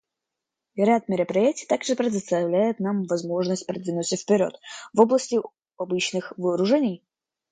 Ряд мероприятий также предоставляет нам возможность продвинуться вперед в области обычных вооружений.